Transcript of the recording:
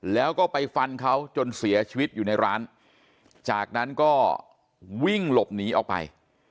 แล้วก็ไปฟันเขาจนเสียชีวิตอยู่ในร้านจากนั้นก็วิ่งหลบหนีออกไป